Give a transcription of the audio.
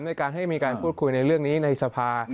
ในการให้มีการพูดคุยในเรื่องนี้ในสภา